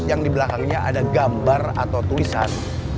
yang di belakangnya ada gambar atau tulisan